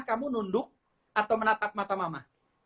kamu nunduk atau menatap mata mama